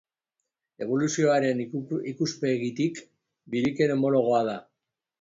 Eboluzioaren ikuspegitik, biriken homologoa da.